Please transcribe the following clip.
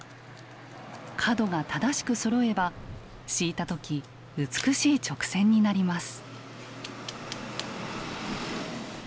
角が正しくそろえば敷いた時美しい直線になります。